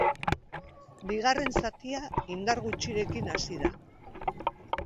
Bigarren zatia indar gutxirekin hasi da.